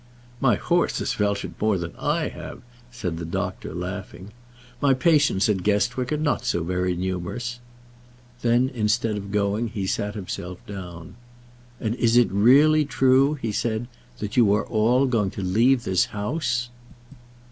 "My horse has felt it more than I have," said the doctor, laughing. "My patients at Guestwick are not so very numerous." Then, instead of going, he sat himself down. "And it is really true," he said, "that you are all going to leave this house?"